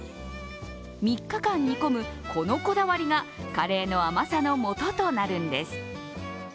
３日間煮込む、このこだわりがカレーの甘さのもととなるんです。